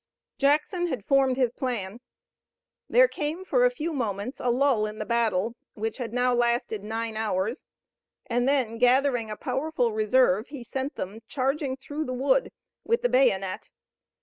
Jackson had formed his plan. There came for a few moments a lull in the battle which had now lasted nine hours, and then gathering a powerful reserve he sent them charging through the wood with the bayonet.